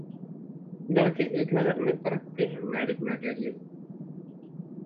लड़के एक नजर में परखते हैं मैरिज मटेरियल